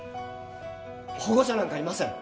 保護者なんかいません！